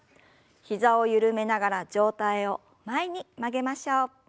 膝を緩めながら上体を前に曲げましょう。